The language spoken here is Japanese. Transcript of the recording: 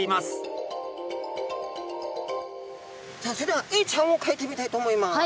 さあそれではエイちゃんをかいてみたいと思います。